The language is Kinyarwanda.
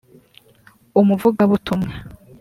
Umuvugabutumwa